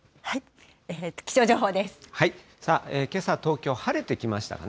けさ、東京、晴れてきましたね。